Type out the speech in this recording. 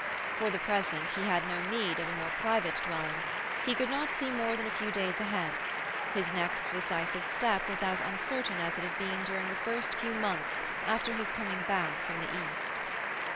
For the present he had no need of a more private dwelling; he could not see more than a few days ahead; his next decisive step was as uncertain as it had been during the first few months after his coming back from the East.